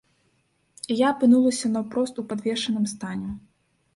І я апынулася наўпрост у падвешаным стане.